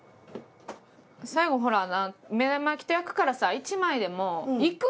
最後ほら目玉焼きと焼くからさ１枚でもいくね！